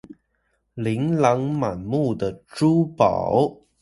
琳琅滿目的珠寶